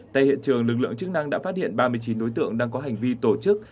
tại hiện trường lực lượng chức năng đã phát hiện ba mươi chín đối tượng đang có hành vi tổ chức